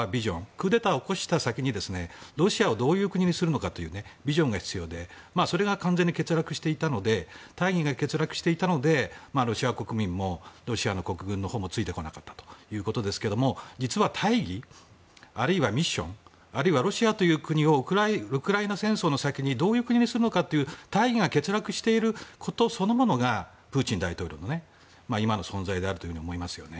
クーデターを起こした先にロシアをどういう国にするかというビジョンが必要でそれが完全に欠落していたので大義が欠落していたのでロシア国民もロシアの国軍のほうもついてこなかったということですが実は大義、あるいはミッションあるいはロシアという国をウクライナ戦争の先にどういう国にするのかという大義が欠落していることそのものがプーチン大統領の今の存在であると思いますよね。